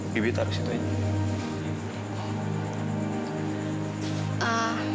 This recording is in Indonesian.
bibi taruh situ aja